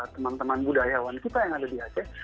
teman teman budayawan kita yang ada di aceh